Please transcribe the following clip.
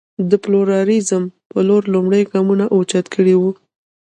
د پلورالېزم په لور لومړ ګامونه اوچت کړي وو.